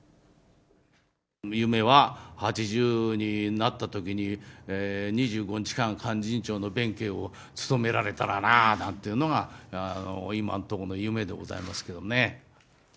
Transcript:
夢は８０になったときに、２５日間、勧進帳の弁慶を務められたらなぁなんていうのが、今のところの夢でございますけどね。